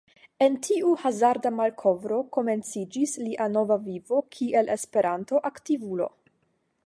Ekde tiu hazarda malkovro komenciĝis lia nova vivo kiel Esperanto-aktivulo.